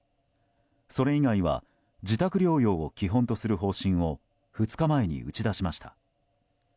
それ以外は自宅療養を基本とする方針を２日前に打ち出しました。